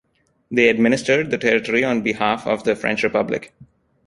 They administered the territory on behalf of the French Republic.